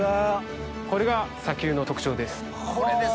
これが砂丘の特徴です。